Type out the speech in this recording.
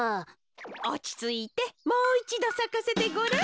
おちついてもういちどさかせてごらん。